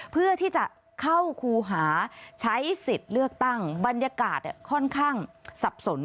เพื่อที่จะเข้าครูหาใช้สิทธิ์เลือกตั้งบรรยากาศค่อนข้างสับสน